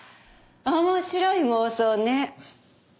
面白い妄想ね。